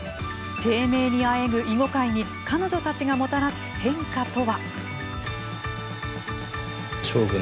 低迷にあえぐ囲碁界に彼女たちがもたらす変化とは。